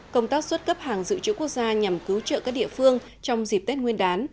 công tác xuất cấp hàng dự trữ quốc gia nhằm cứu trợ các địa phương trong dịp tết nguyên đán